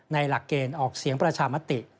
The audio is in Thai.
หลักเกณฑ์ออกเสียงประชามติ